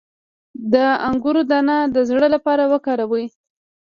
د انګور دانه د زړه لپاره وکاروئ